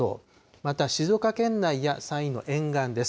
また静岡県内や山陰の沿岸です。